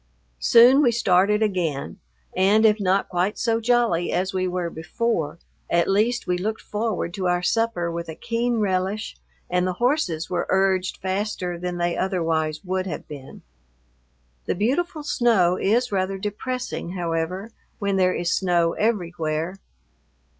Soon we started again, and if not quite so jolly as we were before, at least we looked forward to our supper with a keen relish and the horses were urged faster than they otherwise would have been. The beautiful snow is rather depressing, however, when there is snow everywhere.